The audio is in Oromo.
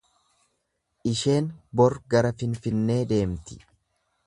Isheen bor gara Finfinnee deemti.